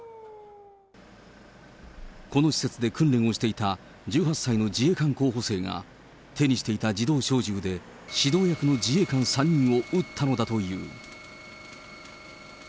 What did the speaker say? この施設で訓練をしていた１８歳の自衛官候補生が、手にしていた自動小銃で指導役の自衛官３人を撃ったのだという。